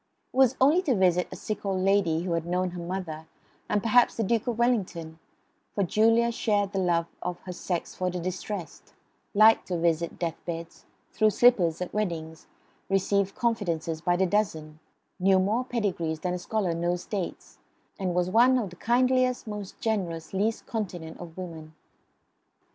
It was only to visit a sick old lady who had known her mother and perhaps the Duke of Wellington; for Julia shared the love of her sex for the distressed; liked to visit death beds; threw slippers at weddings; received confidences by the dozen; knew more pedigrees than a scholar knows dates, and was one of the kindliest, most generous, least continent of women.